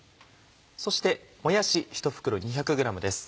そしてもやしひと袋２００ｇです。